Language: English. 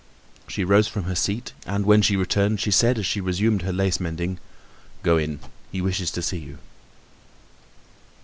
She rose from her seat and when she returned she said, as she resumed her lace mending: "Go in, he wishes to see you."